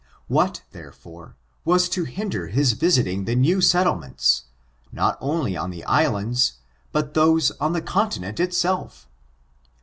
What, therefore, was to hinder his visiting the new settlements, not only on the islands, but those on the continent itself.